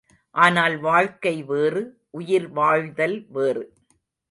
ஆனால் வாழ்க்கை வேறு உயிர் வாழ்தல் வேறு.